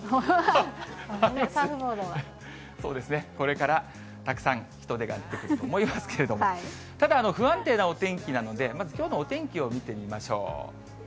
そうですね、これからたくさん人出が出てくると思いますけれども、ただ不安定なお天気なので、まずきょうのお天気を見てみましょう。